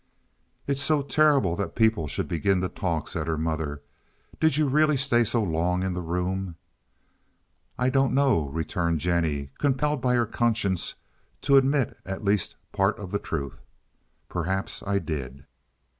"It's so terrible that people should begin to talk!" said her mother. "Did you really stay so long in the room?" "I don't know," returned Jennie, compelled by her conscience to admit at least part of the truth. "Perhaps I did."